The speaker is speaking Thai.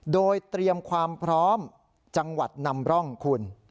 โดยเตรียมความพร้อมจังหวัดนำร่องคุณ